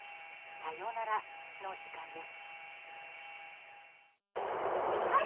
さよならの時間です。